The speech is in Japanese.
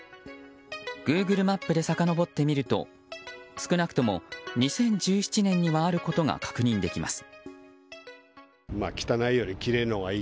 グーグルマップでさかのぼってみると少なくとも、２０１７年にはあることが確認できます。